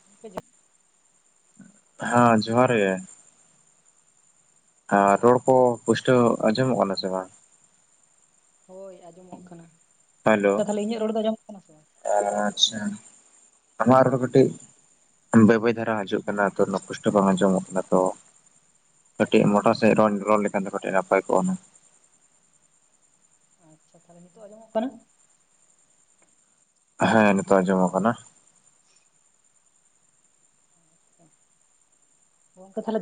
[inaudible] ᱦᱮᱸ ᱡᱚᱦᱟᱨ ᱜᱮ ᱟᱨ ᱨᱚᱲ ᱠᱚ ᱯᱩᱥᱴᱟᱹᱣ ᱟᱸᱡᱚᱢᱚᱜ ᱠᱟᱱᱟ ᱥᱮ ᱵᱟᱝ ᱦᱳᱭ ᱟᱸᱡᱚᱢᱚᱜ ᱠᱟᱱᱟ ᱜᱚᱝᱠᱮ ᱛᱟᱦᱚᱞᱮ ᱤᱧᱟᱹᱜ ᱨᱚᱲ ᱫᱚ ᱟᱸᱡᱚᱢᱚᱜ ᱠᱟᱱᱟ ᱥᱮ ᱵᱟᱝ ᱚ ᱟᱪᱪᱷᱟ ᱟᱢᱜ ᱨᱮ ᱫᱚ ᱠᱟᱹᱴᱤᱡ ᱵᱟᱹᱭ ᱵᱟᱹᱭ ᱫᱷᱟᱨᱟ ᱦᱤᱡᱩᱜ ᱠᱟᱱᱟ ᱛᱚ ᱩᱱᱟᱹᱜ ᱯᱚᱥᱴᱚ ᱵᱟᱝ ᱟᱸᱡᱚᱢᱚᱜ ᱠᱟᱱᱟ ᱛᱚ ᱠᱟᱹᱴᱤᱡ ᱢᱚᱴᱟ ᱥᱟᱦᱤᱡ ᱨᱚᱲ ᱨᱚᱲ ᱞᱮᱠᱷᱟᱱ ᱫᱚ ᱠᱟᱹᱴᱤᱡ ᱱᱟᱯᱟᱭ ᱠᱚᱜᱼᱟ ᱟᱪᱪᱷᱟ ᱛᱟᱦᱚᱞᱮ ᱱᱤᱛᱚᱜ ᱟᱡᱚᱢ ᱠᱟᱱᱟ ᱦᱮᱸ ᱱᱤᱛᱚᱜ ᱟᱸᱡᱚᱢᱚᱜ ᱠᱟᱱᱟ ᱠᱚ ᱛᱟᱦᱞᱮ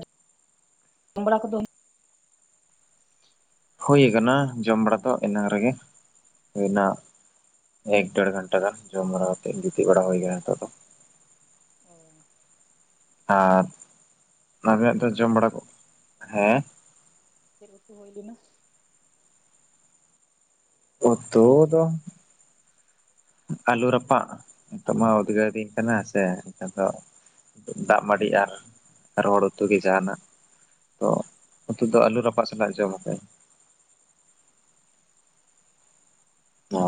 ᱡᱚᱢ ᱵᱟᱲᱟ ᱠᱚ ᱫᱚᱼᱼ ᱦᱩᱭᱩᱠ ᱡᱚᱢ ᱵᱟᱲᱟ ᱫᱚ ᱮᱱᱟᱝ ᱨᱮᱜᱮ ᱦᱩᱭᱱᱟ ᱮᱠ ᱰᱮᱲ ᱜᱷᱴᱟᱟᱱ ᱡᱚᱢᱵᱟᱲᱟ ᱠᱟᱛᱮ ᱜᱤᱛᱤᱡ ᱵᱟᱲᱟ ᱦᱩᱭ ᱜᱮᱭᱟ ᱛ ᱫᱚ ᱚ ᱟᱨ ᱪᱮᱫ ᱟᱵᱮᱱᱟᱜ ᱫᱚ ᱡᱚᱢ ᱵᱟᱲᱟ ᱠᱚ ᱦᱮᱸ ᱪᱮᱫ ᱩᱛᱩ ᱦᱩᱭᱞᱤᱱᱟ ᱩᱛᱩᱱᱫᱚ ᱟᱞᱩ ᱨᱟᱯᱟᱜ ᱱᱤᱛᱚᱜ ᱢᱟ ᱩᱫᱽᱜᱟᱹᱨᱫᱤᱧ ᱠᱟᱱᱟ ᱥᱮ ᱱᱤᱛᱚᱜ ᱫᱚ ᱫᱟᱜ ᱢᱟᱹᱰᱤ ᱟᱨ ᱨᱚᱦᱚᱲ ᱩᱛᱩ ᱜᱮ ᱡᱟᱦᱟᱱᱟᱜ ᱛᱚ ᱩᱛᱩ ᱫᱚ ᱟᱹᱞᱩ ᱨᱟᱯᱟᱜ ᱥᱟᱞᱟᱜ ᱡᱚᱢᱠᱟᱤᱧ ᱚ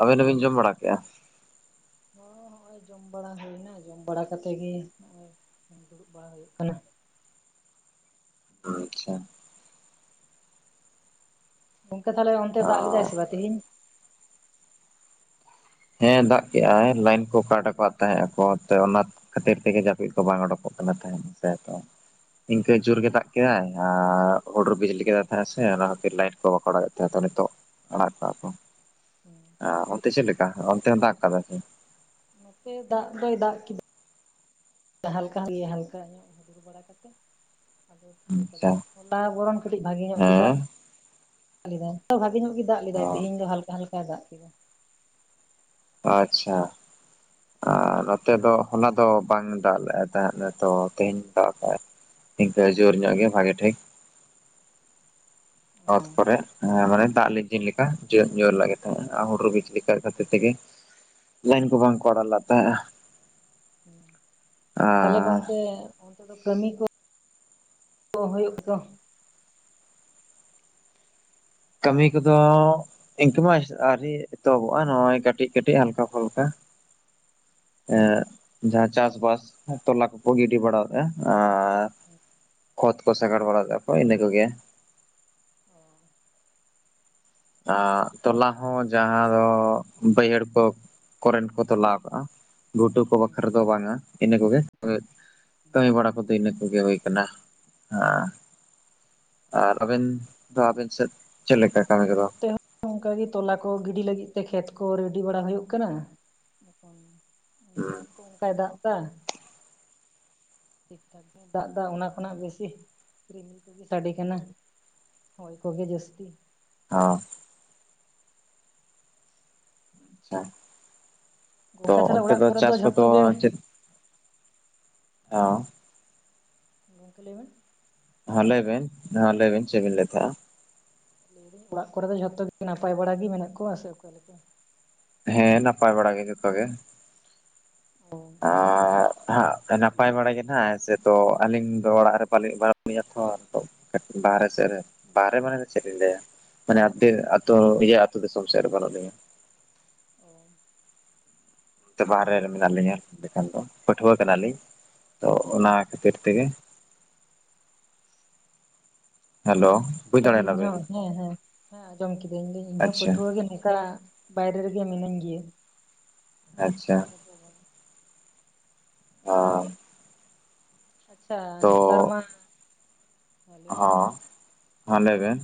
ᱟᱵᱮᱱ ᱫᱚᱵᱤᱱ ᱡᱚᱢ ᱵᱟᱲᱟ ᱠᱮᱜᱼᱟ ᱦᱚᱸ ᱦᱚᱸᱜᱼᱚᱭ ᱡᱚᱢ ᱵᱟᱲᱟ ᱦᱩᱭᱱᱟ ᱡᱚᱢ ᱵᱟᱲᱟ ᱠᱟᱛᱮ ᱜᱮ ᱱᱚᱜᱼᱚᱭ ᱫᱩᱲᱩᱵ ᱵᱟᱲᱟ ᱦᱩᱭᱩᱜ ᱠᱟᱱᱟ ᱟᱪᱪᱷᱟ ᱜᱚᱝᱠᱮ ᱛᱟᱦᱚᱞᱮ ᱚᱱᱛᱮ ᱫᱟᱜ ᱞᱮᱫᱟᱭ ᱥᱮ ᱵᱟᱝ ᱛᱤᱦᱤᱧ ᱦᱮᱸ ᱫᱟᱜ ᱠᱮᱫᱟᱭ ᱞᱟᱭᱤᱱ ᱠᱚ ᱠᱟᱴ ᱟᱠᱟᱫ ᱛᱟᱦᱮᱸᱜ ᱟᱠᱚ ᱚᱱᱟ ᱠᱷᱟᱹᱛᱤᱨ ᱛᱮᱜᱮ ᱡᱟᱹᱯᱤᱫ ᱠᱚ ᱵᱟᱝ ᱚᱰᱩᱠᱚᱜ ᱠᱟᱱᱟ ᱛᱟᱦᱮᱸᱱᱟ ᱥᱮᱛᱚ ᱤᱱᱠᱟᱹ ᱚ ᱡᱳᱨ ᱜᱮ ᱫᱟᱜ ᱠᱮᱫᱟᱭ ᱦᱩᱰᱩᱨ ᱵᱤᱡᱽᱞᱤ ᱠᱮᱫᱟᱭ ᱛᱟᱦᱮᱸᱜ ᱥᱮ ᱚᱱᱟ ᱠᱷᱟᱹᱛᱤᱨ ᱞᱟᱭᱤᱴ ᱠᱚ ᱵᱟᱠᱚ ᱚᱰᱟᱣ ᱮᱮᱫ ᱛᱟᱦᱮᱸ ᱱᱤᱛᱚᱜ ᱟᱲᱟᱜ ᱠᱟᱜᱼᱟ ᱠᱚ ᱦᱮᱸ ᱚᱱᱛᱮ ᱪᱮᱫ ᱞᱮᱠᱟ ᱚᱱᱛᱮ ᱫᱟᱜ ᱠᱟᱫᱟᱭ ᱥᱮ ᱱᱚᱛᱮ ᱫᱟᱜ ᱫᱚᱭ ᱫᱟᱜ ᱠᱮᱫᱟᱠᱟ ᱦᱟᱞᱠᱟ [unintelligible] ᱠᱟᱛᱮ ᱟᱫᱚ ᱛᱷᱤᱨ ᱟᱪᱪᱷᱟ ᱟᱠᱟᱫᱟᱭ ᱦᱚᱞᱟ ᱵᱚᱨᱚᱱ ᱠᱟᱹᱴᱤᱡ ᱵᱷᱟᱜᱮ ᱧᱚᱜ ᱜᱮ ᱫᱟᱜ ᱦᱮᱸ ᱞᱮᱫᱟᱭ ᱵᱷᱟᱜᱮ ᱧᱚᱜ ᱜᱮ ᱫᱟᱜ ᱚ ᱞᱮᱫᱟᱭ ᱛᱮᱦᱤᱧ ᱫᱚ ᱦᱟᱞᱠᱟ ᱦᱟᱞᱠᱟ ᱫᱟᱜ ᱠᱮᱫᱟ ᱟᱪᱪᱷᱟ ᱟᱨ ᱱᱚᱛᱮ ᱫᱚ ᱦᱚ ᱫᱚ ᱵᱟᱝ ᱫᱟᱜ ᱞᱮᱜᱼᱟᱭ ᱛᱟᱦᱮᱸᱫ ᱛᱚ ᱛᱮᱦᱤᱧ ᱫᱟᱜᱞᱮᱜᱼᱚᱭ ᱱᱤᱝᱠᱟᱹ ᱡᱳᱨ ᱧᱚᱜ ᱜᱮ ᱵᱷᱟᱜᱮ ᱴᱷᱤᱠ ᱚᱛ ᱠᱚᱨᱮ ᱦᱮᱸ ᱢᱟᱱᱮ ᱫᱟᱜ ᱞᱤᱜᱤᱱ ᱞᱮᱠᱟ ᱡᱳᱨ ᱧᱚᱜ ᱞᱟᱜ ᱛᱟᱦᱮᱸᱱᱟ ᱟᱨ ᱦᱩᱰᱩᱨ ᱵᱤᱡᱽᱞᱤ ᱞᱮᱠᱟ ᱠᱷᱟᱹᱛᱤᱨ ᱛᱮᱜᱮ ᱞᱟᱭᱤᱱ ᱠᱚ ᱵᱟᱝ ᱠᱚ ᱟᱲᱟᱜ ᱞᱮᱜ ᱛᱟᱦᱮᱼᱟ ᱛᱟᱞᱦᱮ ᱟᱨ ᱜᱚᱝᱠᱮ ᱚᱱᱛᱮ ᱫᱚ ᱠᱟᱹᱢᱤ ᱠᱚ ᱦᱩᱭᱩᱜ ᱫᱚ ᱠᱟᱹᱢᱤ ᱠᱚᱫᱚ ᱤᱱᱠᱟᱹᱢᱟ ᱟᱹᱣᱨᱤ ᱮᱛᱚᱦᱚᱵᱚᱜᱼᱟ ᱱᱚᱜᱼᱚᱭ ᱠᱟᱹᱴᱤᱡ ᱠᱟᱹᱴᱤᱡ ᱦᱟᱞᱠᱟ ᱯᱷᱟᱞᱠᱟ ᱮ ᱡᱟᱦᱟᱸ ᱪᱟᱥ ᱵᱟᱥ ᱛᱚᱞᱟ ᱠᱚᱠᱚ ᱜᱤᱰᱤ ᱵᱟᱲᱟ ᱞᱮᱫᱼᱟ ᱟᱨ ᱟ ᱚᱛ ᱠᱚ ᱥᱟᱜᱟᱲ ᱵᱟᱲᱟ ᱞᱮᱼᱟ ᱠᱚ ᱤᱱᱟᱹ ᱠᱚᱜᱮ ᱚᱸ ᱛᱚᱞᱟ ᱦᱚᱸ ᱡᱟᱦᱟᱸ ᱫᱚ ᱵᱟᱹᱭᱦᱟᱹᱲ ᱠᱚ ᱠᱚᱨᱮᱱ ᱠᱚ ᱛᱚᱞᱟ ᱠᱟᱜᱼᱟ ᱜᱷᱩᱴᱩ ᱠᱚ ᱵᱟᱠᱷᱨᱟ ᱫᱚ ᱵᱟᱝᱼᱟ ᱤᱱᱟᱹ ᱠᱚᱜᱮ ᱠᱟᱹᱢᱤ ᱵᱟᱲᱟ ᱠᱚᱫᱚ ᱤᱱᱟᱹ ᱠᱚᱜᱮ ᱦᱩᱭ ᱠᱟᱱᱟ ᱦᱮᱸ ᱟᱨ ᱟᱹᱵᱮᱱ ᱫᱚ ᱟᱹᱵᱮᱱ ᱥᱮᱫ ᱪᱮᱫ ᱞᱮᱠᱟ? ᱠᱟᱹᱢᱤ ᱠᱚᱫᱚ ᱛᱮ ᱦᱚᱸ ᱚᱱᱠᱟ ᱜᱮ ᱛᱚᱞᱟ ᱠᱚ ᱜᱤᱰᱤ ᱞᱟᱹᱜᱤᱫ ᱛᱮ ᱠᱷᱮᱛ ᱠᱚ ᱨᱮᱰᱤ ᱵᱟᱲᱟ ᱦᱩᱭᱩᱜ ᱠᱟᱱᱟ ᱦᱩᱸ ᱠᱟᱭ ᱫᱟᱜ ᱫᱟ ᱫᱟᱜᱽ ᱫᱟᱭ ᱚᱱᱟ ᱠᱷᱚᱱᱟᱜ ᱵᱮᱥᱤ ᱨ ᱥᱟᱰᱤ ᱠᱟᱱᱟ ᱦᱚᱭ ᱠᱚᱜᱮ ᱡᱟᱹᱥᱛᱤ ᱚᱸ ᱚ ᱛᱚ ᱜᱚᱝᱠᱮ ᱛᱟᱦᱚᱞᱮ ᱚᱱᱛᱮ ᱚᱲᱟᱜ ᱫᱚ ᱠᱚᱨᱮ ᱪᱟᱥ ᱠᱚᱫᱚ ᱡᱷᱚᱛᱚ ᱜᱮ ᱪᱮᱫ? ᱚᱸ ᱜᱚᱝᱠᱮ ᱞᱟᱹᱭ ᱵᱮᱱ ᱦᱮᱸ ᱞᱟᱹᱭ ᱵᱮᱱ ᱦᱮᱸ ᱞᱟᱹᱭ ᱵᱮᱱ ᱪᱮᱜ ᱵᱮᱱ ᱞᱟᱹᱭ ᱛᱟᱦᱮᱜᱼᱟ ᱚᱲᱟᱜ ᱠᱚᱨᱮ ᱫᱚ ᱡᱷᱚᱛᱚ ᱜᱮ ᱱᱟᱯᱟᱭ ᱵᱟᱲᱟ ᱜᱤ ᱢᱮᱱᱟᱜ ᱠᱚᱣᱟ ᱥᱮ ᱚᱠᱟ ᱞᱮᱠᱟ? ᱦᱮᱸ ᱱᱟᱯᱟᱭ ᱵᱟᱲᱟ ᱜᱮ ᱡᱚᱛᱚ ᱜᱮ ᱚᱸ ᱟᱨ ᱦᱟᱜ ᱱᱟᱯᱟᱭ ᱵᱟᱲᱟ ᱜᱮ ᱱᱟᱦᱟᱜ ᱥᱮ ᱛᱚ ᱟᱹᱞᱤᱧ ᱫᱚ ᱚᱲᱟᱜ ᱨᱮ ᱯᱟᱞᱮᱫ [inaudible] ᱛᱚ ᱠᱟᱹᱴ ᱵᱟᱦᱨᱮ ᱥᱮᱜ ᱨᱮ ᱵᱟᱦᱨᱮ ᱢᱟᱱᱮ ᱫᱚ ᱪᱮᱫ ᱤᱧ ᱞᱟᱹᱭᱟ ᱢᱟᱱᱮ ᱟᱛᱳ ᱤᱭᱟᱹ ᱟᱛᱳ ᱫᱤᱥᱚᱢ ᱥᱮᱜ ᱨᱮ ᱵᱟᱱᱩᱜ ᱞᱤᱧᱟ ᱚᱸ ᱛᱮ ᱵᱟᱦᱨ ᱨᱮ ᱢᱮᱱᱟᱜ ᱞᱤᱧᱟ ᱞᱮᱠᱷᱟᱱ ᱫᱚ ᱯᱟᱹᱴᱷᱩᱣᱟᱹ ᱠᱟᱱᱟᱞᱤᱧ ᱛᱚ ᱚᱱᱟ ᱠᱷᱟᱹᱛᱤᱨ ᱛᱮᱜᱮ ᱦᱮᱞᱳ ᱵᱩᱡᱽ ᱫᱟᱲᱮᱭᱟᱱᱟ ᱟᱹᱞᱤᱧ ᱵᱤᱱ ᱦᱚᱸ ᱦᱮᱸ ᱦᱮᱸ ᱦᱮᱸ ᱟᱸᱡᱚᱢ ᱠᱮᱫᱤᱹᱧ ᱫᱤᱧ ᱤᱧ ᱦᱚᱸ ᱟᱪᱪᱷᱟ ᱯᱟᱹᱴᱷᱣᱟᱹ ᱜᱮ ᱱᱚᱝᱠᱟ ᱵᱟᱭᱨᱮ ᱨᱮᱜᱮ ᱢᱤᱱᱟᱹᱧ ᱜᱮᱭᱟ ᱟᱪᱪᱷᱟ [unintelligible] ᱟᱻ ᱟᱪᱪᱷᱟ ᱱᱮᱛᱟᱨ ᱛᱚ ᱢᱟ ᱦᱮᱸ ᱞᱟᱹᱭ ᱢᱮ ᱦᱚᱸ ᱦᱚᱸ ᱞᱟᱹᱭ ᱵᱮᱱ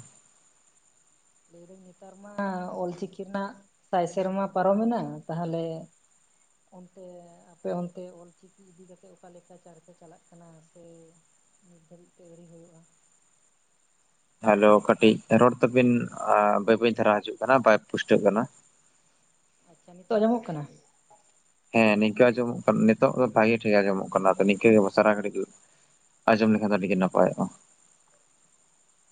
ᱞᱟᱹᱭ ᱫᱟᱹᱧ ᱱᱮᱛᱟᱨ ᱢᱟ ᱚᱞᱪᱤᱠᱤ ᱨᱮᱱᱟᱜ ᱥᱟᱭ ᱥᱮᱨᱢᱟ ᱯᱟᱨᱚᱢᱮᱱᱟ ᱛᱟᱦᱚᱞᱮ ᱚᱱᱛᱮ ᱟᱯᱮ ᱚᱱᱛᱮ ᱚᱞ ᱪᱤᱠᱤ ᱤᱫᱤ ᱠᱟᱛᱮ ᱚᱠᱟ ᱞᱮᱠᱟ ᱪᱟᱨᱪᱟ ᱪᱟᱞᱟᱜ ᱠᱟᱱᱟ? ᱠᱟᱱᱟ ᱥᱮ ᱱᱤᱛ ᱫᱷᱟᱹᱵᱤᱡ ᱛᱮ ᱟᱹᱣᱨᱤ ᱦᱩᱭᱩᱜᱼᱟ ᱦᱮᱞᱳ ᱠᱟᱹᱴᱤᱡ ᱨᱚᱲ ᱛᱟᱵᱤᱱ ᱵᱟᱹᱭ ᱵᱟᱹᱭ ᱫᱷᱟᱨᱟ ᱦᱤᱡᱩᱜ ᱠᱟᱱᱟ ᱵᱟᱭ ᱯᱩᱥᱴᱟᱹᱜ ᱠᱟᱱᱟ ᱟᱪᱪᱷᱟ ᱱᱤᱛᱚᱜ ᱟᱡᱚᱢᱚᱜ ᱠᱟᱱᱟ? ᱦᱮᱸ ᱱᱤᱝᱠᱟᱹ ᱟᱡᱚᱢᱚᱜ ᱠᱟᱱᱟ ᱱᱤᱛᱚᱜ ᱫᱚ ᱵᱷᱟᱜᱤ ᱴᱷᱤᱠ ᱟᱡᱚᱢᱚᱜ ᱠᱟᱱᱟ ᱛᱚ ᱱᱤᱝᱠᱟᱹ ᱜᱮ ᱵᱟ ᱥᱟᱨᱟ ᱜᱷᱟᱹᱲᱤᱡ ᱟᱡᱚᱢ ᱞᱮᱠᱷᱟᱱ ᱫᱚ ᱟᱹᱰᱤ ᱜᱮ ᱱᱟᱯᱟᱭᱚᱜ-ᱟ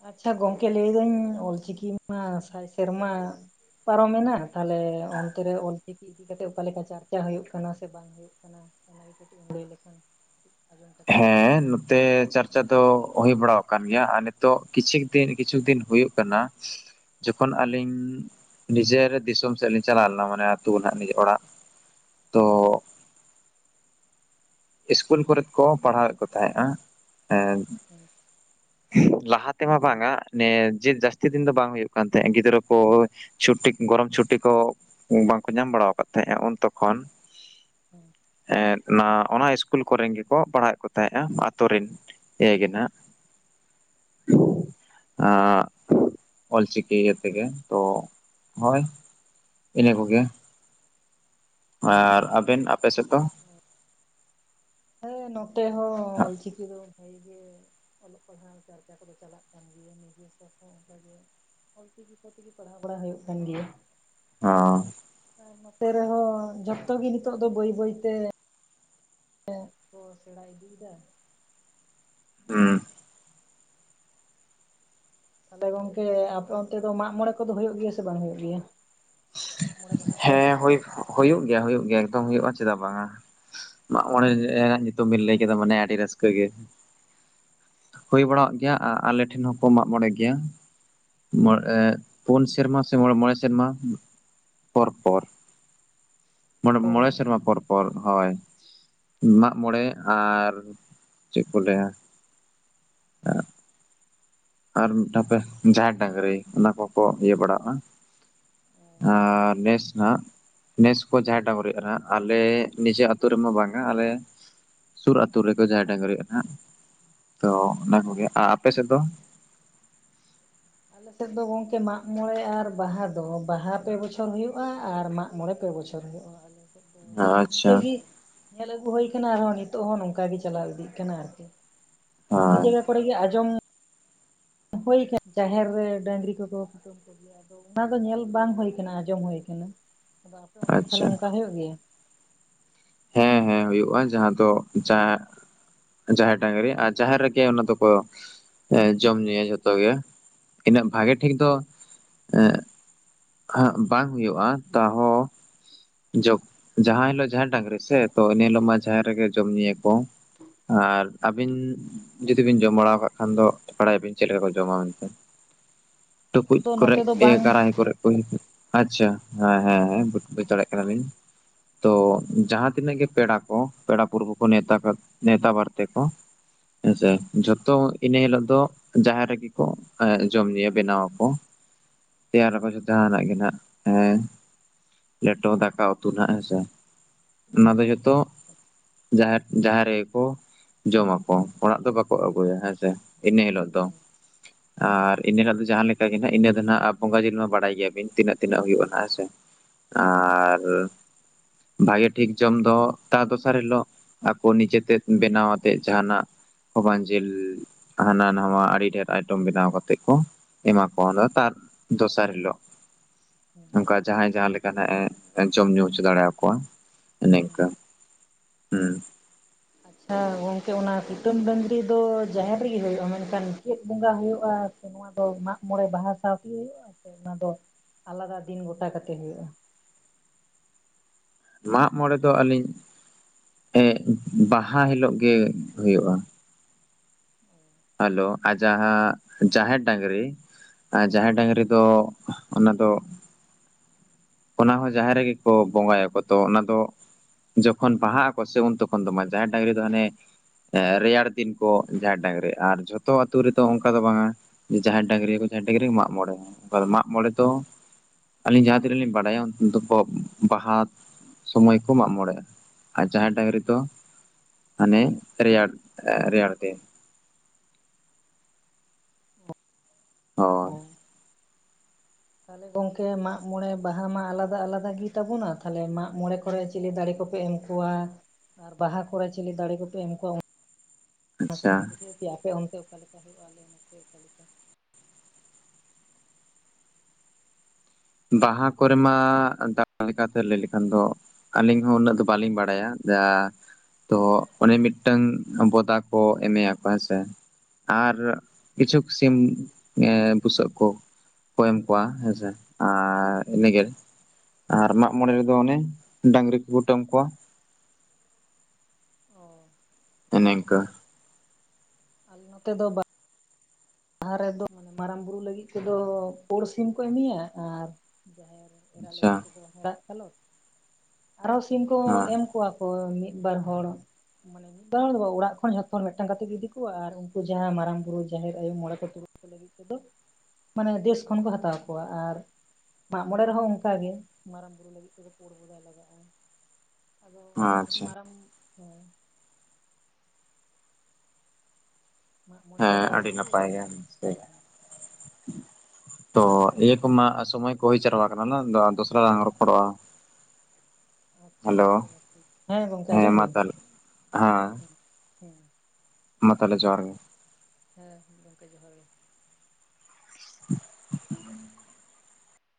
ᱟᱪᱪᱷᱟ ᱜᱚᱝᱠᱮ ᱞᱟᱹᱭ ᱫᱟᱹᱧ ᱚᱞᱪᱤᱠᱤ ᱢᱟ ᱥᱟᱭ ᱥᱮᱨᱢᱟ ᱯᱟᱨᱚᱢᱮᱱᱟ ᱛᱟᱦᱞᱮ ᱚᱱᱛᱮᱨᱮ ᱚᱞ ᱪᱤᱠᱤ ᱤᱫᱤ ᱠᱟᱛᱮᱫ ᱚᱠᱟ ᱞᱮᱠᱟ ᱪᱟᱨᱪᱟ ᱦᱳᱭᱳᱜ ᱠᱟᱱᱟ ᱥᱮ ᱵᱟᱝ ᱦᱳᱭᱳᱜ ᱠᱟᱱᱟ ᱚᱱᱟᱱᱟᱜᱮ ᱞᱟᱹᱭ ᱞᱮᱠᱷᱟᱱ ᱟᱸᱡᱚᱢ ᱠᱟᱛᱮ ᱦᱮᱸ ᱛᱮ ᱪᱟᱨᱪᱟ ᱫᱚ ᱦᱳᱭ ᱵᱟᱲᱟ ᱟᱠᱟᱱ ᱜᱮᱭᱟ ᱟᱨ ᱱᱤᱛᱚᱜ ᱠᱤᱪᱷᱤᱠ ᱫᱤᱱ ᱠᱤᱪᱷᱩ ᱫᱤᱱ ᱦᱩᱭᱩᱜ ᱠᱟᱱᱟ ᱡᱚᱠᱷᱚᱱ ᱦᱮᱸ ᱟᱞᱤᱧ ᱵᱤᱡᱚᱭᱟᱨᱮ ᱫᱤᱥᱚᱢ ᱥᱮᱫ ᱞᱤᱧ ᱪᱟᱞᱟᱣ ᱞᱮᱱᱟ ᱢᱟᱱᱮ ᱟᱛᱩ ᱱᱟᱦᱟᱜ ᱱᱤᱡᱮᱨ ᱚᱲᱟᱜ ᱛᱚ ᱦᱮᱸ ᱤᱥᱠᱩᱞ ᱠᱚᱨᱮᱫ ᱠᱚ ᱯᱟᱲᱦᱟᱣᱮᱫ ᱠᱚ ᱛᱟᱦᱮᱫ-ᱟ ᱮ ᱦᱮᱸ [unintelligible] ᱞᱟᱦᱟ ᱛᱮᱢᱟ ᱵᱟᱝ-ᱟ ᱱᱮ ᱡᱮ ᱡᱟᱹᱥᱛᱤ ᱫᱤᱱ ᱫᱚ ᱵᱟᱝ ᱦᱩᱭᱩᱜ ᱠᱟᱱ ᱛᱟᱦᱮᱸᱫ ᱜᱤᱫᱽᱨᱟᱹ ᱠᱚ ᱪᱷᱩᱴᱤ ᱜᱚᱨᱚᱢ ᱪᱷᱩᱴᱤ ᱠᱚ ᱵᱟᱝᱠᱚ ᱧᱟᱢ ᱵᱟᱲᱟ ᱠᱟᱜ ᱛᱟᱦᱮᱸᱼᱟ, ᱩᱱ ᱛᱚᱠᱷᱚᱱ ᱦᱮᱸ [unintelligible] ᱚᱱᱟ ᱤᱥᱠᱩᱞ ᱠᱚᱨᱮᱱ ᱜᱮᱠᱚ ᱯᱟᱲᱦᱟᱣᱮᱫ ᱠᱚ ᱛᱟᱦᱮᱸᱫ-ᱟ ᱟᱛᱩ ᱨᱮᱱ ᱤᱭᱟᱹ ᱜᱮ ᱱᱟᱜ ᱟᱜ ᱚᱞᱪᱤᱠᱤ ᱤᱭᱟᱹ ᱛᱮᱜᱮ ᱛᱚ ᱦᱳᱭ ᱤᱱᱟᱹ ᱠᱚᱜᱮ ᱟᱨ ᱟᱵᱮᱱ ᱟᱯᱮ ᱥᱮᱫ ᱫᱚ ᱦᱮᱸ ᱱᱚᱛᱮ ᱦᱚᱸ ᱚᱞᱪᱤᱠᱤ ᱫᱚ ᱵᱷᱟᱜᱤ ᱜᱮ ᱚᱞᱚᱜ ᱯᱟᱲᱦᱟᱜ ᱪᱟᱨᱪᱟ ᱠᱚᱫᱚ ᱪᱟᱞᱟᱜ ᱠᱟᱱ ᱜᱮᱭᱟ᱾ ᱱᱤᱡᱮ ᱥᱟᱯᱟᱵ ᱚᱱᱠᱟᱜᱮ ᱚᱞ ᱪᱤᱠᱤ ᱠᱚ ᱛᱮᱜᱮ ᱯᱟᱲᱦᱟᱣ ᱵᱟᱲᱟ ᱦᱩᱭᱩᱜ ᱠᱟᱱ ᱜᱮᱭᱟ᱾ ᱦᱚᱸ ᱟᱨ ᱱᱚᱛᱮ ᱨᱮᱦᱚ ᱡᱷᱚᱛᱚ ᱜᱮ ᱱᱤᱛᱚᱜ ᱫᱚ ᱵᱟᱹᱭ ᱵᱟᱹᱭ ᱛᱮ ᱚ ᱥᱮᱲᱟ ᱤᱫᱤᱭ ᱫᱟ᱾ ᱦᱩᱸ ᱛᱟᱦᱚᱞᱮ ᱜᱚᱝᱠᱮ ᱟᱯᱮ ᱚᱱᱛᱮ ᱫᱚ ᱢᱟᱜᱽ ᱢᱚᱬᱮ ᱠᱚᱫᱚ ᱦᱩᱭᱩᱜ ᱜᱮᱭᱟ ᱥᱮ ᱵᱟᱝ ᱦᱩᱭᱩᱜ ᱜᱮᱭᱟ? ᱢᱟᱜᱽ ᱢᱚᱬᱮ ᱵᱟᱦᱟ ᱠᱚ ᱦᱳᱭᱳᱜ ᱜᱮᱭᱟ ᱦᱳᱭᱳᱜ ᱜᱮᱭᱟ ᱮᱠᱫᱚᱢ ᱦᱳᱭᱳᱜ-ᱟ ᱪᱮᱫᱟᱜ ᱵᱟᱝ-ᱟ ᱢᱟᱜᱽ ᱢᱚᱬᱮ ᱨᱮᱱᱟᱜ ᱧᱩᱛᱩᱢ ᱵᱤᱱ ᱞᱟᱹᱭ ᱠᱮᱫᱟ ᱢᱟᱱᱮ ᱟᱹᱰᱤ ᱨᱟᱹᱥᱠᱟᱹ ᱜᱮ ᱦᱳᱭ ᱵᱟᱲᱟᱜ ᱜᱮᱭᱟ ᱟᱨ ᱟᱞᱮᱴᱷᱮᱱ ᱦᱚᱸᱠᱚ ᱢᱟᱜᱽ ᱢᱚᱬᱮ ᱜᱮᱭᱟ᱾ ᱯᱩᱱ ᱥᱮᱨᱢᱟ ᱥᱮ ᱢᱚ ᱢᱚᱬᱮ ᱥᱮᱨᱢᱟ ᱯᱚᱨ ᱯᱚᱨ ᱢᱚ ᱚ ᱢᱚᱬᱮ ᱥᱮᱨᱢᱟ ᱯᱚᱨ ᱯᱚᱨ ᱦᱳᱭ᱾ ᱢᱟᱜᱽ ᱢᱚᱬᱮ ᱟᱨ ᱪᱮᱫ ᱠᱚ ᱞᱟᱹᱭᱟ ᱟᱨ ᱢᱤᱫᱴᱟᱝ ᱦᱟᱯᱮ ᱡᱟᱦᱮᱨ ᱰᱟᱝᱨᱤ ᱚᱱᱟ ᱠᱚᱠᱚ ᱤᱭᱟᱹ ᱵᱟᱲᱟᱜᱼᱟ᱾ ᱟᱨ ᱱᱮᱥ ᱱᱟᱦᱟᱜ ᱱᱮᱥ ᱠᱚ ᱡᱟᱦᱟᱸᱭ ᱰᱟᱝᱨᱤᱼᱟ ᱟᱞᱮ ᱱᱤᱡᱮ ᱟᱹᱛᱩ ᱨᱮᱢᱟ ᱵᱟᱝ-ᱟ ᱟᱞᱮ ᱥᱩᱨ ᱟᱹᱛᱩ ᱨᱮᱠᱚ ᱡᱟᱦᱮᱨ ᱰᱟᱝᱨᱤᱼᱟ ᱦᱟᱜ ᱛᱚ ᱚᱱᱟ ᱠᱚᱜᱮ ᱟᱨ ᱟᱯᱮ ᱥᱮᱫ ᱫᱚ ᱟᱞᱮᱥᱮᱫ ᱫᱚ ᱜᱚᱝᱠᱮ ᱢᱟᱜᱽ ᱢᱚᱬᱮ ᱟᱨ ᱵᱟᱦᱟ ᱫᱚ ᱵᱟᱦᱟ ᱯᱮ ᱵᱚᱪᱷᱚᱨ ᱦᱩᱭᱩᱜᱼᱟ ᱟᱨ ᱢᱟᱜ ᱢᱚᱬᱮ ᱯᱮ ᱵᱚᱪᱷᱚᱨ ᱦᱩᱭᱩᱜᱼᱟ᱾ [unintelligible] ᱟᱪᱪᱷᱟ [unintelligible] ᱧᱮᱞ ᱟᱹᱜᱩ ᱦᱩᱭ ᱟᱠᱟᱱᱟ ᱟᱨᱦᱚᱸ ᱱᱤᱛᱚᱜ ᱦᱚᱸ ᱱᱚᱝᱠᱟ ᱜᱮ ᱪᱟᱞᱟᱣ ᱤᱫᱤᱜ ᱠᱟᱱᱟ ᱟᱨᱠᱤ ᱟᱨ ᱟᱹᱰᱤ ᱦᱳᱭ ᱡᱟᱭᱜᱟ ᱨᱮ ᱠᱚᱨᱮ ᱜᱮ ᱟᱡᱚᱢ ᱦᱩᱭ ᱠᱟᱱᱟ ᱡᱟᱦᱮᱨ ᱨᱮ ᱰᱟᱹᱝᱨᱤ ᱠᱚᱠᱚ [inaudible] ᱟᱫᱚ ᱚᱱᱟ ᱫᱚ ᱧᱮᱞ ᱵᱟᱝ ᱦᱩᱭᱩ ᱟᱠᱟᱱᱟ ᱟᱸᱡᱚᱢ ᱦᱩ ᱟᱠᱟᱱᱟ ᱟᱫᱚ ᱟᱯᱮ ᱚᱱᱛᱮ ᱛᱮ ᱟᱪᱪᱷᱟ ᱚᱱᱠᱟ ᱦᱩᱭᱩᱜ ᱜᱮᱭᱟ᱾ ᱦᱮᱸ ᱦᱮᱸ ᱦᱩᱭᱩᱜᱼᱟ ᱡᱟᱦᱟᱸ ᱫᱚ ᱡᱟ ᱡᱟᱦᱮᱨ ᱰᱟᱝᱨᱤ ᱟᱨ ᱡᱟᱦᱮᱨ ᱨᱮᱜᱮ ᱚᱱᱟ ᱫᱚᱠᱚ ᱮ ᱡᱚᱢ ᱧᱩᱭᱟ ᱡᱷᱚᱛᱚᱜ ᱜᱮ ᱤᱱᱟᱹᱜ ᱵᱷᱟᱜᱮ ᱴᱷᱤᱠ ᱫᱚ ᱮᱸ ᱦᱟᱜ ᱵᱟᱝ ᱦᱩᱭᱩᱜᱼᱟ ᱛᱟᱣ ᱦᱚᱸ [unintelligible] ᱡᱟᱦᱟᱭ ᱦᱤᱞᱳᱜ ᱡᱟᱦᱮᱨ ᱰᱟᱝᱨᱤ ᱥᱮ ᱛᱚ ᱮᱱ ᱦᱤᱞᱳᱜ ᱢᱟ ᱡᱨ ᱨᱮᱜᱮ ᱡᱚᱢ ᱧᱩᱭᱟ ᱠᱚ ᱟᱨ ᱟᱹᱵᱤᱱ ᱡᱩᱫᱤ ᱵᱤᱱ ᱡᱚᱢ ᱵᱟᱲᱟ ᱠᱟᱜ ᱠᱷᱟᱱ ᱫᱚ ᱵᱟᱲᱟᱭᱟᱵᱤᱱ ᱪᱮᱫ ᱞᱮᱠᱟ ᱠᱚ ᱡᱚᱢᱟ ᱢᱮᱱᱛᱮ ᱴᱩᱠᱩᱡ ᱟᱫᱚ ᱠᱚᱨᱮ ᱱᱚᱛᱮ ᱫᱚ ᱵᱟᱝ ᱠᱟᱨᱟᱦᱤ ᱠᱚᱨᱮ ᱠᱚ ᱟᱪᱪᱷᱟ ᱦᱮᱸ ᱦᱮᱸ ᱦᱮᱸ ᱵᱩᱪ ᱫᱟᱲᱮᱭᱟᱜ ᱠᱮᱫᱟᱞᱤᱧ ᱛᱚ ᱡᱟᱦᱟᱸ ᱛᱤᱱᱟᱹᱜ ᱜᱮ ᱯᱮᱲᱟ ᱠᱚ ᱯᱮᱲᱟ ᱯᱟᱲᱦᱟ ᱠᱚ ᱱᱮᱣᱛᱟ ᱱᱮᱣᱛᱟ ᱵᱟᱨᱛᱮ ᱠᱚ ᱦᱮᱸᱥᱮ ᱡᱚᱛᱚ ᱤᱱᱟᱹ ᱦᱤᱞᱳᱜ ᱫᱚ ᱡᱟᱦᱮᱨ ᱨᱮᱜᱮ ᱠᱚ ᱡᱚᱢ ᱧᱩᱭᱟ ᱵᱮᱱᱟᱣ ᱟᱠᱚ ᱛᱮᱭᱟᱨ ᱟᱠᱚ ᱡᱟᱦᱟᱱᱟᱜ ᱜᱮ ᱱᱟᱜ ᱦᱮᱸ ᱫᱚ ᱫᱟᱠᱟ ᱩᱛᱩ ᱱᱟᱦᱜ ᱦᱮᱸᱥᱮ ᱚᱱᱟ ᱫᱚ ᱡᱚᱛᱚ ᱡᱟᱦᱮᱨ ᱡᱟᱦᱟᱸ ᱨᱮᱜᱮᱠᱚ ᱡᱚᱢᱟᱠᱚ ᱚᱲᱟᱜ ᱫᱚ ᱵᱟᱠᱚ ᱟᱹᱜᱩᱭᱟ ᱦᱮᱸᱥᱮ ᱤᱱᱟᱹ ᱦᱤᱞᱳᱜ ᱫᱚ ᱟᱨ ᱤᱱᱟᱹ ᱦ ᱫᱚ ᱡᱟᱦᱟᱸ ᱞᱮᱠ ᱜᱮ ᱦᱟᱸᱜ ᱤᱱᱟᱹ ᱫᱚ ᱦᱟᱸᱜ ᱟ ᱵᱚᱸᱜᱟ ᱡᱤᱞ ᱢᱟ ᱵᱟᱲᱟᱭ ᱜᱮᱭᱟᱵᱤᱱ ᱛᱤᱱᱟᱹᱜ ᱛᱱᱟᱹᱜᱼᱟ ᱦᱮᱸ ᱥᱮ ᱟᱨ ᱵᱷᱟᱜᱮ ᱴᱷᱤᱠ ᱡᱚᱢ ᱫᱚ ᱛᱟᱨ ᱫᱚᱥᱟᱨ ᱦᱤᱞᱳᱜ ᱟᱠᱚ ᱱᱤᱡᱮᱛᱮ ᱵᱮᱱᱟᱣ ᱟᱛᱮᱮᱫ ᱡᱟᱦᱱᱟᱜ ᱠᱷᱚᱵᱚ ᱡᱤᱞ ᱦᱟᱱᱟ ᱱᱟᱣᱟ ᱟᱹᱰᱤ ᱰᱷᱮᱨ ᱟᱭᱴᱮᱚᱢ ᱵᱮᱱᱟᱣ ᱠᱟᱛᱮᱮᱫ ᱠᱚ ᱮᱢᱟ ᱠᱚᱣᱟ ᱫᱚ ᱛᱟᱨ ᱫᱚᱥᱟᱨ ᱦᱤᱞᱚᱜ ᱚᱱᱠᱟ ᱡᱟᱦᱟᱭᱸᱦᱟᱭᱟ ᱞᱮᱠᱟ ᱟᱸᱱᱟᱜᱼ ᱮ ᱡᱚᱢ ᱧᱩ ᱦᱚᱪᱚ ᱫᱟᱲᱮᱭᱟᱠᱚᱣᱟ ᱱᱤᱠᱟ ᱦᱮᱸ ᱦᱮᱸ ᱜᱚᱝᱠᱮ ᱚᱱᱟ ᱠᱩᱴᱟᱹᱢ ᱰᱟᱹᱝᱨᱤ ᱫᱚ ᱡᱟᱦᱮᱨ ᱨᱮᱜᱮ ᱦᱩᱭᱩᱜᱼᱟ ᱢᱮᱱᱠᱷᱟᱱ ᱪᱮᱫ ᱵᱚᱸᱜᱟ ᱦᱩᱭᱩᱜᱼᱟ ᱚᱱᱟ ᱫᱚ ᱢᱟᱜ ᱢᱚᱬᱮ ᱵᱟᱦᱟ ᱥᱟᱶᱛᱮ ᱠᱤ ᱦᱩᱭᱩᱜᱼᱟ ᱥᱮ ᱚᱱᱟ ᱫᱚ ᱟᱞᱟᱫᱟ ᱫᱤᱱ ᱜᱚᱴᱟ ᱠᱟᱛᱮ ᱦᱩᱭᱩᱜᱼᱟ ᱢᱟᱜ ᱢᱚᱲᱮ ᱫᱚ ᱟᱹᱞᱤᱧ ᱮ ᱵᱟᱦᱟ ᱦᱤᱞᱳᱜ ᱜᱮ ᱦᱩᱭᱩᱜᱼᱟ ᱦᱮᱞᱳ ᱟᱨ ᱡᱟᱦᱟᱸ ᱡᱟᱦᱮᱨ ᱰᱟᱝᱨᱤ ᱦᱮᱸ ᱡᱟᱦᱮᱨ ᱰᱟᱝᱨᱤ ᱫᱚ ᱚᱱᱟ ᱫᱚ ᱚᱱᱟ ᱦᱚᱸ ᱡᱟᱦᱮᱨ ᱨᱮᱜᱮ ᱠᱚ ᱵᱚᱸᱜᱟᱭᱟᱠᱚ ᱛᱚ ᱚᱱᱟ ᱫᱚ ᱡᱚᱠᱷᱚᱱ ᱵᱟᱦᱟᱜ ᱟᱠᱚ ᱥᱮ ᱩᱱ ᱛᱚᱠᱷᱚᱱ ᱫᱚ ᱡᱟᱦᱮᱨ ᱰᱟᱝᱨᱤ ᱫᱚ ᱦᱟᱱᱮ ᱨᱮᱭᱟᱲ ᱫᱤᱱ ᱠᱚ ᱡᱟᱦᱮᱨ ᱰᱟᱝᱨᱤ ᱟᱨ ᱡᱷᱚᱛᱚ ᱟᱛᱳ ᱨᱮᱫᱚ ᱚᱱᱠᱟ ᱫᱚ ᱵᱟᱝᱟ ᱡᱟᱦᱟᱸᱭ ᱰᱟᱝᱨᱤ ᱠᱚᱭ ᱰᱨᱤ ᱢᱟᱜ ᱢᱬᱮᱚᱱ ᱢᱟᱜ ᱢᱚᱬᱮ ᱫᱚ ᱟ ᱟᱹᱞᱤᱧ ᱡᱟᱦᱟᱸ ᱛᱱᱟᱹᱜ ᱞᱤᱧ ᱵᱟᱲᱟᱭᱟ ᱩᱱ ᱫᱚᱠᱚ ᱵᱟᱦᱟ ᱥᱚᱢᱚᱭ ᱠᱚ ᱢᱟᱜ ᱢᱚᱬᱮᱟ ᱟᱨ ᱡᱟᱦᱮᱨ ᱰᱟᱝᱟᱝᱨᱤ ᱛ ᱦᱟᱱᱮ ᱨᱮᱭᱟᱲ ᱨᱮᱭᱟᱲ ᱛᱮ ᱦᱳᱭ ᱚ ᱛᱟᱦᱮ ᱜᱚᱝᱠᱮ ᱢᱟᱜᱽ ᱢᱚᱬᱮ ᱵᱟᱦᱟ ᱢᱟ ᱟᱞᱟᱫᱟ ᱟᱞᱟᱫᱟ ᱜᱮ ᱛᱟᱵᱚᱱᱟ ᱛᱚᱞᱮ ᱢᱟᱜᱽ ᱢᱚᱬᱮ ᱠᱚᱨᱮ ᱪᱤᱞᱤ ᱫᱟᱲᱮ ᱠᱚᱯᱮ ᱮᱢ ᱠ ᱠᱚᱳᱭᱟ ᱟᱨ ᱵᱟᱦᱟ ᱠᱚᱨᱮ ᱪᱤᱞᱤ ᱫᱟᱲᱮ ᱠᱚᱯᱮ ᱮᱢ ᱠᱚᱣᱟ ᱚᱱᱟᱛᱮ ᱟᱪᱪᱷᱟ ᱡᱩᱫᱤ ᱵᱤᱡᱷᱚᱹᱣᱮᱭᱟᱯᱮᱚᱱᱠᱟ [unintelligible] ᱚᱠᱟ ᱞᱮᱠᱟ ᱦᱩᱭᱩᱜᱼᱟᱞᱮ ᱚᱱᱟᱛᱮᱮ ᱚᱠᱟᱞᱮᱠᱟ [unintelligible] ᱵᱟᱦᱟ ᱠᱚᱨᱮ ᱢᱟ ᱫᱬ ᱞᱮᱠᱟᱛᱮ ᱞᱟᱹᱭ ᱞᱮᱠᱷᱟᱱ ᱫᱚ ᱟᱹᱞᱤᱧ ᱦᱚᱸ ᱩᱱᱟᱹᱜ ᱫᱚ ᱵᱟᱹᱞᱤᱧ ᱵᱟᱲᱟᱭᱟ ᱡᱟ ᱛᱚ ᱚᱱᱮ ᱢᱤᱫᱴᱟᱝ ᱵᱚᱫᱟ ᱠᱚ ᱮᱢᱮᱭᱟ ᱠᱚ ᱦᱮᱸᱥᱮ ᱟᱨ ᱠᱤᱪᱷᱩ ᱠᱚ ᱥᱤᱢ ᱵᱩᱥᱟᱹᱜ ᱠᱚ ᱠᱚᱠᱚᱭᱮ ᱮᱢ ᱠᱚᱣᱟ ᱦᱮᱸᱥᱮ ᱟᱨ ᱤᱱᱟᱹᱜᱮ ᱟᱨ ᱢᱟᱜ ᱢᱚᱬᱮ ᱨᱮᱫᱚ ᱚᱱᱮ ᱰᱟᱝᱨᱤ ᱠᱚᱠᱩᱴᱟᱹᱢ ᱠᱚᱣᱟ ᱚ ᱤᱱᱟᱝᱠᱟ ᱟᱞ ᱱᱚᱛᱮ ᱫᱚ ᱵᱟᱝ ᱞᱟᱦᱟ ᱨᱮᱫᱚᱮ ᱢᱟᱨᱟᱝ ᱵᱩᱨᱩ ᱞᱟᱹᱜᱤᱫ ᱛᱮᱫᱚ ᱯᱩᱲ ᱥᱤᱢ ᱠᱚ ᱮᱢᱤᱭᱟ ᱟᱨ ᱡᱟᱦᱮᱨ ᱮᱨᱟ ᱟᱪᱪᱷᱟ ᱞᱟᱹᱜᱤᱫ ᱛᱮᱫᱚ ᱦᱮᱲᱟᱜ ᱠᱟᱞᱚᱴ ᱟᱨᱚ ᱥᱤᱢ ᱠᱚ ᱦᱮᱸ ᱮᱢ ᱠᱚᱣᱟ ᱦᱳ ᱢᱤᱫ ᱵᱟᱨ ᱦᱚᱲ ᱢᱟᱱᱮ ᱢᱤᱫ ᱵᱟᱨ ᱫᱚᱲ ᱫᱚ ᱵᱟ ᱚᱲᱟᱜ ᱠᱷᱚᱱ ᱡᱷᱚᱛᱚ ᱦᱚᱲ ᱢᱤᱫᱴᱟᱝ ᱠᱟᱛᱮ ᱜᱮ ᱤᱫᱤ ᱠᱚᱣᱟ ᱟᱨ ᱩᱱᱠᱩ ᱡᱟᱦᱟᱸ ᱢᱟᱨᱟᱝ ᱵᱩᱨᱩ ᱡᱟᱦᱮᱨ [unintelligible] ᱢᱚᱬᱮ ᱠᱚ ᱛᱩᱨᱩᱭ ᱠᱚ ᱞᱟᱹᱜᱤᱫ ᱛᱮᱫᱚ ᱢᱟᱱᱮ ᱫᱮᱥ ᱠᱷᱚᱱ ᱠᱚ ᱦᱟᱛᱟᱣ ᱠᱚᱣᱟ ᱟᱨ ᱢᱟᱜ ᱢᱚᱬᱮ ᱨᱮᱦᱚᱸ ᱚᱱᱠᱟᱜ ᱜᱮ ᱢᱟᱨᱟᱝ ᱵᱩᱨᱩ ᱞᱟᱹᱜᱤᱫ ᱛᱮᱫᱚ ᱯᱳᱲ ᱜᱚᱫᱟᱭ ᱞᱟᱜᱟᱜᱼᱟ ᱟᱫᱚ ᱟᱪᱪᱷᱟ ᱢᱟᱨᱟᱝ ᱦᱚ ᱢᱟᱜ ᱢᱚᱬᱮ ᱦᱮᱸ ᱨᱮᱫᱚ ᱟᱹᱰᱤ ᱟᱨᱠᱤ ᱱᱟᱯᱟᱭ ᱜᱮᱭᱟ [unintelligible] ᱦᱮᱸ ᱦᱮᱸ ᱛᱚ ᱤᱭᱟᱹ ᱠᱚᱢᱟ ᱥᱚᱢᱚᱭ ᱠᱚ ᱦᱩᱭ ᱪᱟᱣᱟ ᱠᱟᱱᱟ ᱫᱚᱥᱨᱟ ᱨᱟᱝ ᱨᱚᱯᱚᱲᱚᱜᱼᱟ ᱻ ᱟᱪᱪᱷᱟ ᱜᱚᱝᱠᱮ ᱦᱮᱸ ᱜᱚᱝᱠᱮ ᱟᱸᱡᱚᱢ ᱢᱟ ᱫᱟᱹᱧ ᱛᱟᱦᱚᱞᱮ ᱦᱮᱸ ᱦᱩᱸ ᱦᱩᱸ ᱢᱟ ᱛᱟᱦᱚᱞᱮ ᱡᱚᱦᱟᱨ ᱜᱮ ᱦᱮᱸ ᱜᱚᱝᱠᱮ ᱡᱚᱦᱟᱨ ᱜᱮ ᱦᱮᱸ